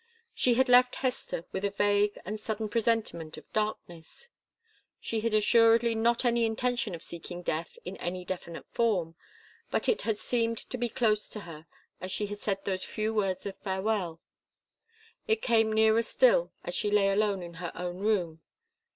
She had left Hester with a vague and sudden presentiment of darkness. She had assuredly not any intention of seeking death in any definite form, but it had seemed to be close to her as she had said those few words of farewell. It came nearer still as she lay alone in her own room.